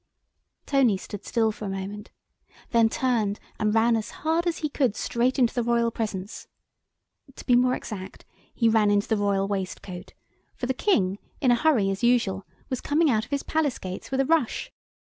Tony stood still for a moment, then turned and ran as hard as he could straight into the Royal presence. To be more exact, he ran into the Royal waistcoat, for the King, in a hurry, as usual, was coming out of his palace gates with a rush.